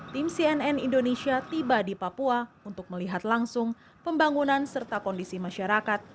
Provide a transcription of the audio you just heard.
tim cnn indonesia tiba di papua untuk melihat langsung pembangunan serta kondisi masyarakat